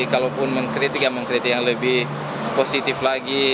kalaupun mengkritik ya mengkritik yang lebih positif lagi